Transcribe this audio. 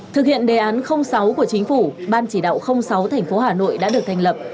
thực hiện đề án sáu của chính phủ ban chỉ đạo sáu tp hà nội đã được thành lập